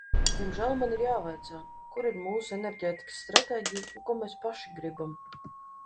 Diemžēl man ir jāvaicā: kur ir mūsu enerģētikas stratēģija un ko mēs paši gribam?